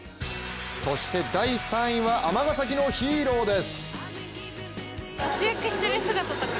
そして第３位は尼崎のヒーローです。